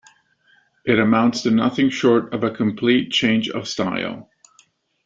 It amounts to nothing short of a complete change of style.